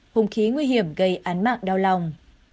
hùng khí nguy hiểm gây án mạng đau lòng